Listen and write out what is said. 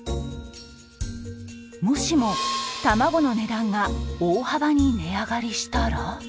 もしも卵の値段が大幅に値上がりしたら。